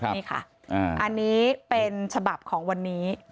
นี่ค่ะอันนี้เป็นฉบับของวันนี้